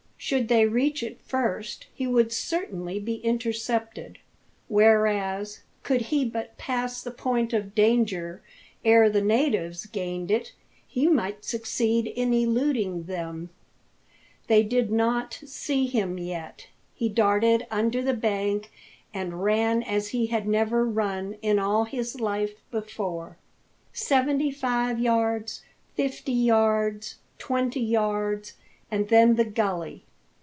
Should they reach it first, he would certainly be intercepted; whereas, could he but pass the point of danger ere' the natives gained it, he might succeed in eluding them. They did not see him yet. He darted under the bank, and ran as he had never run in all his life before. Seventy five yards, fifty yards, twenty yards and then the gully.